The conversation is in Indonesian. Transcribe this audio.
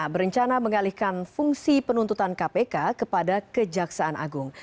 berencana mengalihkan fungsi penuntutan kpk kepada kejaksaan agung